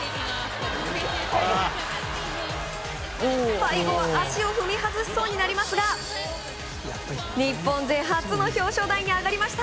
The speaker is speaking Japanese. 最後は足を踏み外しそうになりますが日本勢初の表彰台に上がりました。